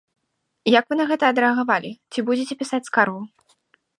Як вы на гэта адрэагавалі, ці будзеце пісаць скаргу?